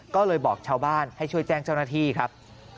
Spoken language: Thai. ก็เลยบอกชาวบ้านให้ช่วยแจ้งเจ้าหน้าที่ครับ